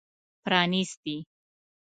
پرانیستي